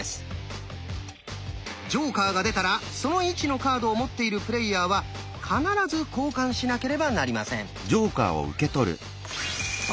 ジョーカーが出たらその位置のカードを持っているプレイヤーは必ず交換しなければなりません。